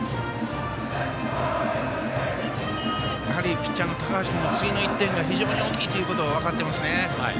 ピッチャーの高橋君も次の１点が非常に大きいということを分かってますね。